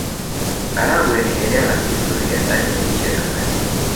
Karagwe ni eneo la kihistoria ndani ya nchi ya Tanzania